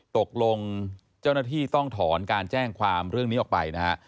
ตกลงเจ้าหน้าที่ต้องถอนการแจ้งความเรื่องนี้ออกไปนะฮะ